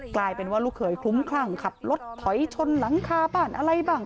กลายเป็นว่าลูกเขยคลุ้มคลั่งขับรถถอยชนหลังคาบ้านอะไรบ้าง